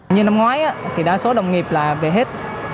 như năm ngoái thì đa số đồng nghiệp là về hết